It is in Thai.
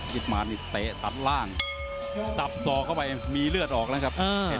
มานี่เตะตัดล่างสับสอกเข้าไปมีเลือดออกแล้วครับ